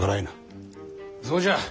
そうじゃ。